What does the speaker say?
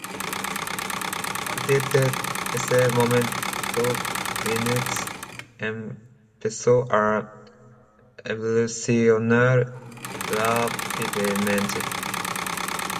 A partir de ese momento Linux empezó a evolucionar rápidamente.